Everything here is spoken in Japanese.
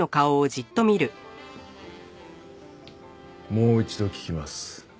もう一度聞きます。